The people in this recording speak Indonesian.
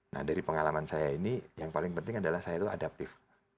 nah dari pengalaman saya ini yang paling penting adalah saya itu adaptif